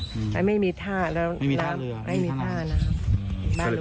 มันไม่มีท่าไม่มีท่าเรือไม่มีท่านะครับอืมบ้านลูกค่ะ